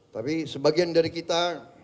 tapi sebagian dari kita